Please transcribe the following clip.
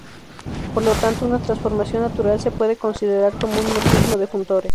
Por lo tanto, una transformación natural se puede considerar como un morfismo de funtores.